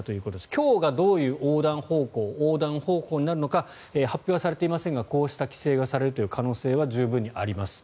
今日がどういう横断方向方法になるのか発表されていませんがこうした規制がされる可能性は十分にあります。